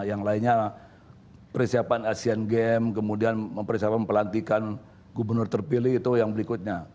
yang lainnya persiapan asean games kemudian mempersiapkan pelantikan gubernur terpilih itu yang berikutnya